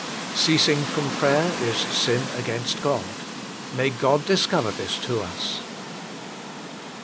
Ceasing from prayer is sin against God. May God discover this to us.